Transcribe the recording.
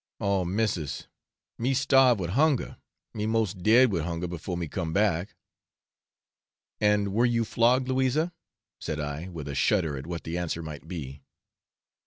'Oh, missis, me starve with hunger, me most dead with hunger before me come back.' 'And were you flogged, Louisa?' said I, with a shudder at what the answer might be.